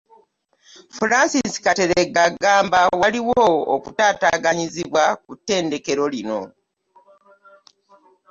Francis Kateregga agamba waaliwo okutaataaganyizibwa ku ttendekero lino